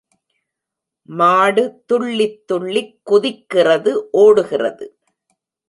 மாடு துள்ளித் துள்ளிக் குதிக்கிறது ஒடுகிறது.